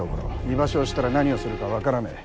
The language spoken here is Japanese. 居場所を知ったら何をするか分からねえ。